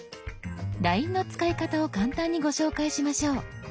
「ＬＩＮＥ」の使い方を簡単にご紹介しましょう。